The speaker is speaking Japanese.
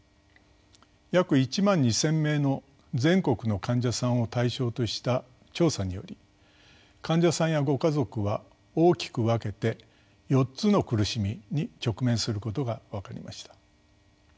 約１万２，０００名の全国の患者さんを対象とした調査により患者さんやご家族は大きく分けて４つの苦しみに直面することが分かりました。